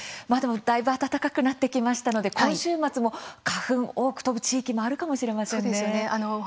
だいぶ暖かくなってきましたので今週末も、花粉、多く飛ぶ地域もあるかもしれませんね。